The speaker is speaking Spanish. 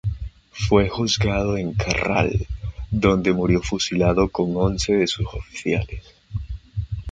Fue juzgado en Carral, donde murió fusilado con once de sus oficiales.